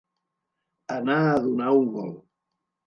Anar a donar un volt.